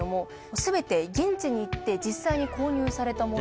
全て現地に行って実際に購入されたものという事です。